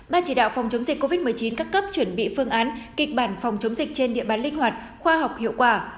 ban chỉ đạo phòng chống dịch covid một mươi chín các cấp chuẩn bị phương án kịch bản phòng chống dịch trên địa bàn linh hoạt khoa học hiệu quả